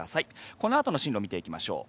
このあとの進路を見ていきましょう。